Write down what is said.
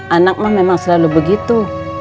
anak mah memang selalu begitu